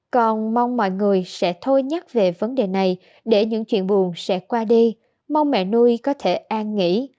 còn mong mọi người sẽ thôi nhắc về vấn đề này để những chuyện buồn sẽ qua đi mong mẹ nuôi có thể an nghỉ